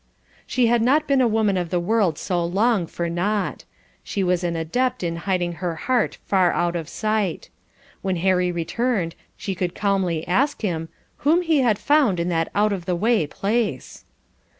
She had not been a woman of the world so long for naught. She was an adept in hiding her heart far out of sight. When Harry returned she could calmly ask him, "Whom he had found in that out of the way place?"